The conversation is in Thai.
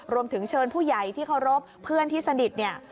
รวมถึงเชิญผู้ใหญ่ที่เคารพเพื่อนที่สนิทเนี่ย